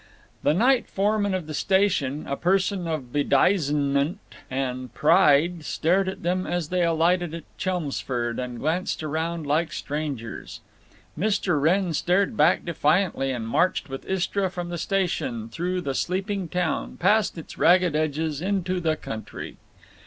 The night foreman of the station, a person of bedizenment and pride, stared at them as they alighted at Chelmsford and glanced around like strangers. Mr. Wrenn stared back defiantly and marched with Istra from the station, through the sleeping town, past its ragged edges, into the country.